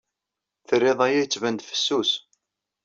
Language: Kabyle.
Terrid aya yettban-d fessus.